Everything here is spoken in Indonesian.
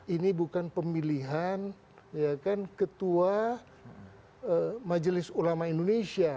ini bukan pemilihan ya kan ketua majelis ulama indonesia